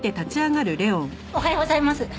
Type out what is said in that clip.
おはようございます。